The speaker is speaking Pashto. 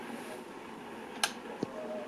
د خپلو خدماتو کیفیت د خلګو لپاره ښه کړئ.